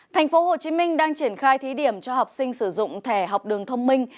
tp hcm đang triển khai thí điểm cho học sinh sử dụng thẻ học đường thông minh